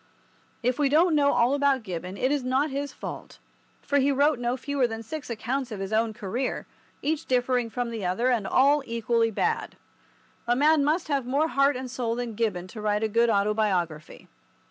If we don't know all about Gibbon it is not his fault, for he wrote no fewer than six accounts of his own career, each differing from the other, and all equally bad. A man must have more heart and soul than Gibbon to write a good autobiography.